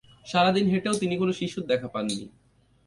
সারাদিন হেঁটেও তিনি কোনো শিশুর দেখা পান নি।